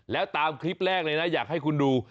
แล้วตามคลิปแรกเลยนะอยากให้คุณดู